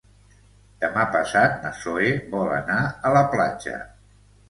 Demà passat na Zoè vol anar a la platja.